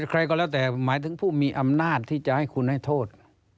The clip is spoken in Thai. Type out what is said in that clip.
ใครก็แล้วแต่หมายถึงผู้มีอำนาจที่จะให้คุณให้โทษ